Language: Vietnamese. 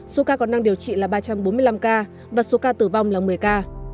số ca còn đang điều trị là ba trăm bốn mươi năm ca và số ca tử vong là một mươi ca